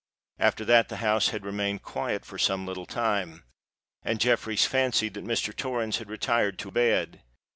After that the house had remained quiet for some little time; and Jeffreys fancied that Mr. Torrens had retired to bed.